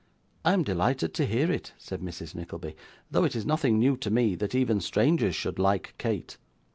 'I am delighted to hear it,' said Mrs. Nickleby; 'though it is nothing new to me, that even strangers should like Kate.